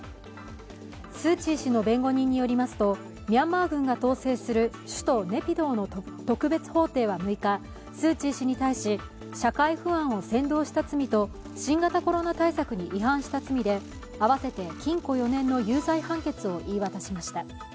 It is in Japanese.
スー・チー氏の弁護人によりますと、ミャンマー軍が統制する首都ネピドーの特別法廷は６日、スー・チー氏に対し社会不安を扇動した罪と新型コロナ対策に違反した罪で合わせて禁錮４年の有罪判決をほ言い渡しました。